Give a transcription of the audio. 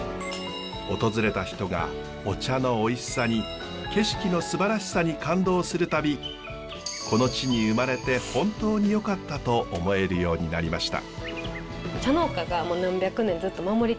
訪れた人がお茶のおいしさに景色のすばらしさに感動する度この地に生まれて本当によかったと思えるようになりました。